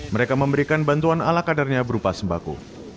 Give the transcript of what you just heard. mereka memberikan bantuan ala kadarnya berupa sembako